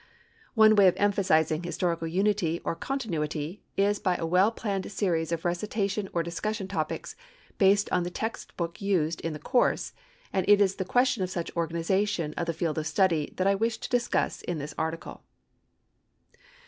One way of emphasizing historical unity or continuity is by a well planned series of recitation or discussion topics based on the text book used in the course, and it is the question of such organization of the field of study that I wish to discuss in this article.